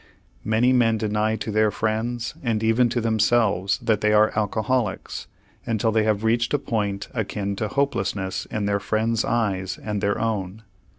Many men deny to their friends and even to themselves that they are alcoholics until they have reached a point akin to hopelessness in their friends' eyes and their own.